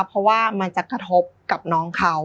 เพราะว่ามันจะกระทบกับน้องเขา